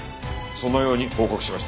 そのように報告しました。